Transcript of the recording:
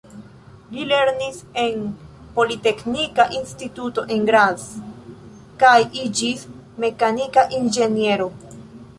Li lernis en Politeknika Instituto, en Graz, kaj iĝis mekanika inĝeniero.